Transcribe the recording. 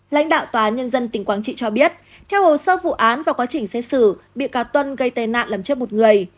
lãnh đạo tòa án nhân dân tỉnh quảng trị cho biết theo hồ sơ vụ án và quá trình xét xử bị cáo tuân gây tai nạn làm chết một người